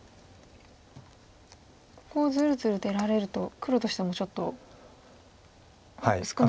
ここをずるずる出られると黒としてもちょっと薄くなってしまいますか。